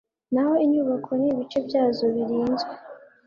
naho inyubako n ibice byazo birinzwe